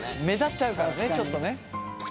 目立っちゃうからねちょっとね。